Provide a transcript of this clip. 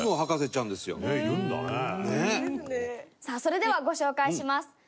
さあ、それでは、ご紹介します。